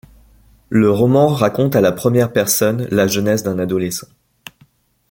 Le roman raconte à la première personne la jeunesse d'un adolescent.